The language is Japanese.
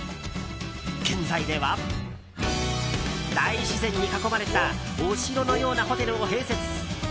現在では大自然に囲まれたお城のようなホテルを併設。